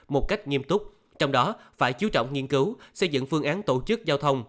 một cách nghiêm túc trong đó phải chú trọng nghiên cứu xây dựng phương án tổ chức giao thông